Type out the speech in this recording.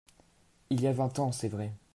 Il y a vingt ans, c’est vrai !…